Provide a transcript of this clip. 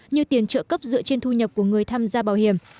như tiền trợ cấp dựa trên thu nhập của người tham gia bảo hiểm